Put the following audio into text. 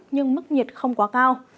nhưng mức nhiệt không quá cao